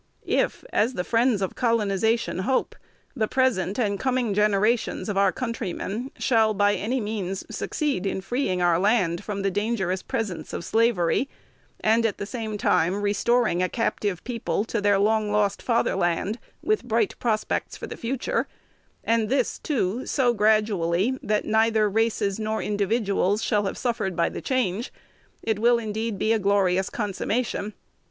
If, as the friends of colonization hope, the present and coming generations of our countrymen shall by any means succeed in freeing our land from the dangerous presence of slavery, and at the same time restoring a captive people to their long lost fatherland, with bright prospects for the future, and this, too, so gradually that neither races nor individuals shall have suffered by the change, it will indeed be a glorious consummation.